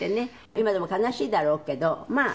今でも悲しいだろうけどまあ。